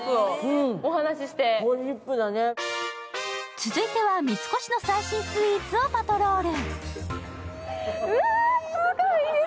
続いては三越の最新スイーツをパトロール。